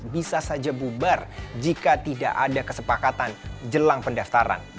bisa saja bubar jika tidak ada kesepakatan jelang pendaftaran